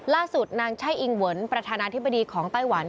ล่าสุดนางใช่อิงเวิร์นประธานาธิบดีของไต้หวัน